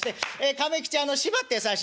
亀吉縛ってさしあげて。